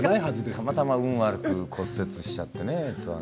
たまたま運悪く骨折しちゃってね。